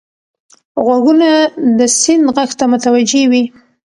غوږونه د سیند غږ ته متوجه وي